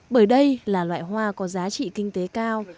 bởi đây là loại hoa có giá trị kinh tế cao